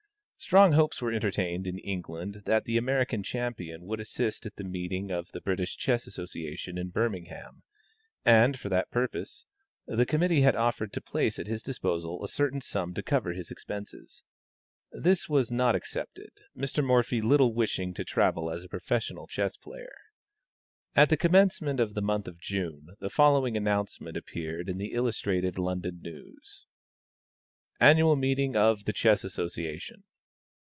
Strong hopes were entertained in England that the American champion would assist at the meeting of the British Chess Association in Birmingham, and, for that purpose, the committee had offered to place at his disposal a certain sum to cover his expenses. This was not accepted, Mr. Morphy little wishing to travel as a professional chess player. At the commencement of the month of June, the following announcement appeared in the Illustrated London News: ANNUAL MEETING OF THE CHESS ASSOCIATION.